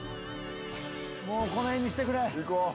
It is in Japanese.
もうこの辺にしてくれ。